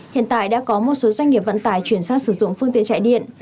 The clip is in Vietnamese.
hiện tại đã có một số doanh nghiệp vận tải chuyển sang sử dụng phương tiện chạy điện